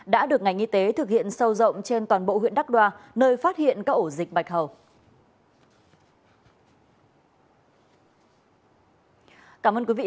đã được ngành y tế thực hiện sâu rộng trên toàn bộ huyện đắk đoa nơi phát hiện các ổ dịch bạch hầu